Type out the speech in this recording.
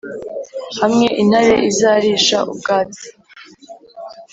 Hamwe intare izarisha ubwatsi